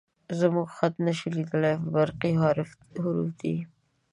_زموږ خط نه شې لېدلی، برقي حروف دي